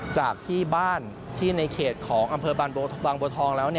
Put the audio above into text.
จากที่บ้านที่ในเขตของอำเภอบางบัวทองแล้ว